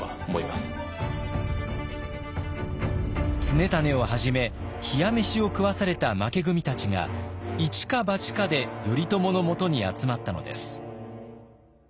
常胤をはじめ冷や飯を食わされた負け組たちが一か八かで頼朝のもとに集まったのです。